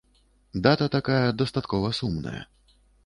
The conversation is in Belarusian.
Дата такая дастаткова сумная.